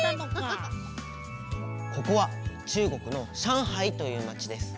ここは中国の上海というまちです。